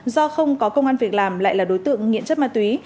do không có công an việc làm lại là đối tượng nghiện chất ma túy